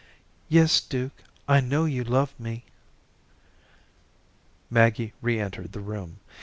"Yes, Dukie, I know you love me." Maggie re entered the room.